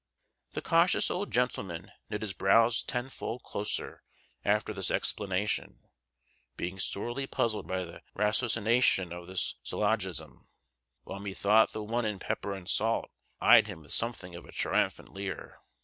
The cautious old gentleman knit his brows tenfold closer after this explanation, being sorely puzzled by the ratiocination of the syllogism, while methought the one in pepper and salt eyed him with something of a triumphant leer.